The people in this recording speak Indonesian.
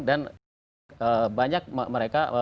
dan banyak mereka